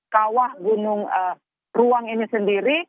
kawah gunung ruang ini sendiri